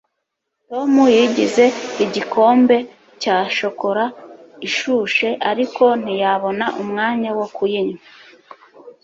tom yigize igikombe cya shokora ishushe, ariko ntiyabona umwanya wo kuyinywa